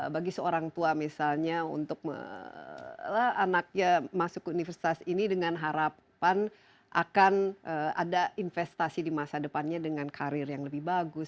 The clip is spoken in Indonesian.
bagi seorang tua misalnya untuk anaknya masuk ke universitas ini dengan harapan akan ada investasi di masa depannya dengan karir yang lebih bagus